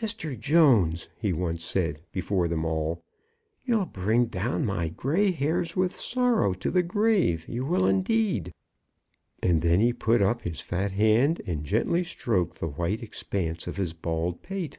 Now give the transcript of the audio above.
"Mr. Jones," he once said before them all; "you'll bring down my gray hairs with sorrow to the grave; you will, indeed." And then he put up his fat hand, and gently stroked the white expanse of his bald pate.